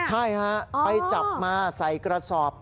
ใช่ฮะไปจับมาใส่กระสอบ